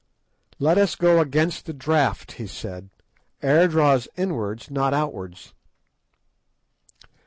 "Let us go against the draught," he said; "air draws inwards, not outwards."